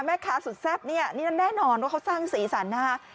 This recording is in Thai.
แม่ค้าสุดแซ่บเนี่ยนี่แน่นอนว่าเขาสร้างสีสันนะฮะ